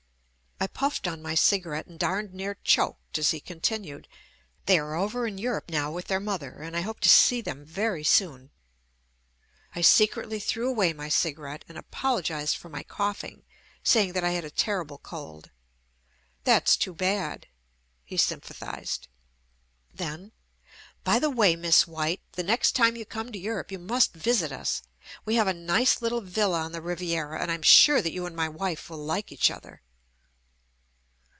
I puffed on my cigarette and darned near choked, as he continued. "They are over in Europe now with their mother, and I hope to see them very soon." I secretly threw away my cigarette and apologized for my cough ing, saying that I had a terrible cold. "That's too bad," he sympathized. Then — "By the way, Miss White, the next time you come to Europe, you must visit us. We have a nice JUST ME little villa on the Riviera, and I am sufe that you and my wife will like each other."